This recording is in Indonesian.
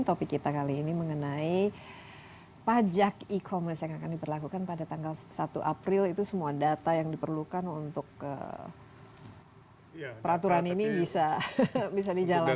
topik kita kali ini mengenai pajak e commerce yang akan diperlakukan pada tanggal satu april itu semua data yang diperlukan untuk peraturan ini bisa dijalankan